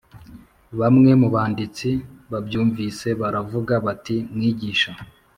Bamwe mu banditsi babyumvise baravuga bati mwigisha